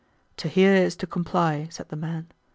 "[FN#129] "To hear is to comply," said the man.